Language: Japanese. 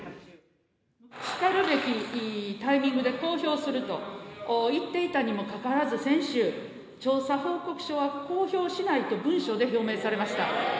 しかるべきタイミングで公表すると言っていたにもかかわらず、先週、調査報告書は公表しないと文書で表明されました。